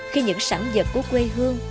khi những sản dật của quê hương